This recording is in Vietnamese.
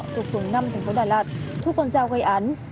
tục phường năm thành phố đà lạt thuốc con dao gây án